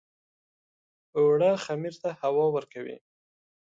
اوړه خمیر ته هوا ورکوي